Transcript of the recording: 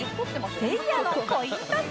せいやのコイントス